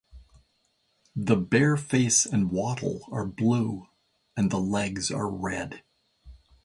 The bare face and wattle are blue, and the legs are red.